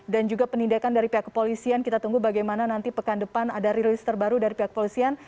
dan juga penindakan dari pihak kepolisian kita tunggu bagaimana nanti pekan depan ada release terbaru dari pihak kepolisian